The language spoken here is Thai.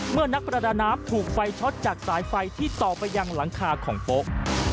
นักประดาน้ำถูกไฟช็อตจากสายไฟที่ต่อไปยังหลังคาของโป๊ะ